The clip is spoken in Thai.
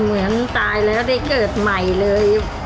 เหมือนตายแล้วได้เกิดใหม่เลย